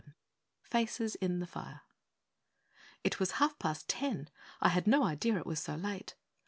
VII FACES IN THE FIRE It was half past ten! I had no idea it was so late!